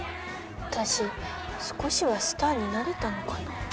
私少しはスターになれたのかな。